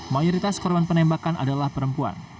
mayoritas korban penembakan adalah perempuan